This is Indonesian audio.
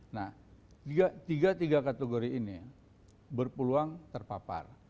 nah tiga tiga kategori ini berpeluang terpapar